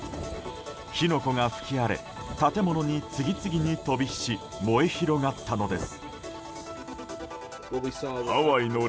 火の粉が吹き荒れ建物に次々に飛び火し燃え広がったのです。